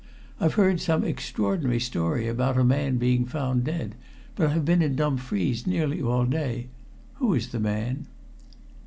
"I've heard some extraordinary story about a man being found dead, but I've been in Dumfries nearly all day. Who is the man?"